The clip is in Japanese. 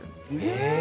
へえ。